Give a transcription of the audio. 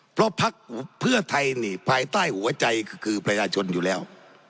เพราะพักเพื่อไทยนี่ภายใต้หัวใจคือประชาชนอยู่แล้ว